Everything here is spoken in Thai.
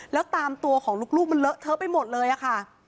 แล้วตามตัวของลูกมันเลอะเทอะไปหมดเลยอะค่ะ